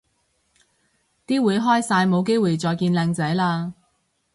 啲會開晒冇機會再見靚仔嘞